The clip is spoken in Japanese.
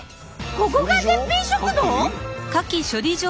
ここが絶品食堂？